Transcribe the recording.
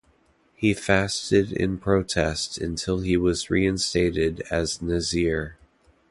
He fasted in protest until he was reinstated as nazir.